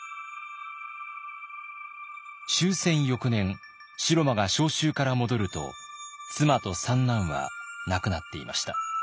終戦翌年城間が召集から戻ると妻と三男は亡くなっていました。